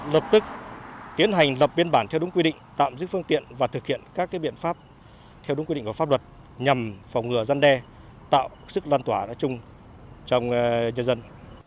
lập tức tiến hành lập biên bản theo đúng quy định tạm giữ phương tiện và thực hiện các biện pháp theo đúng quy định của pháp luật nhằm phòng ngừa gian đe tạo sức loan tỏa đã chung trong nhân dân